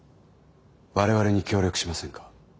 我々に協力しませんか？